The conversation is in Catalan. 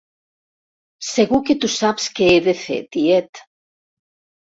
Segur que tu saps què he de fer, tiet.